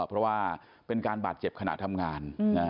เพราะว่าเป็นการบาดเจ็บขณะทำงาน